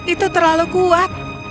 itu terlalu kuat